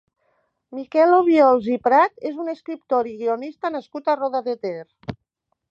Miquel Obiols i Prat és un escriptor i guionista nascut a Roda de Ter.